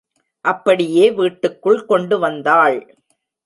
அப்படியே வீட்டுக்குள் கொண்டுவந்தாள்.